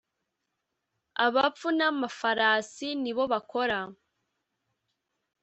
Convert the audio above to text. abapfu n'amafarasi ni bo bakora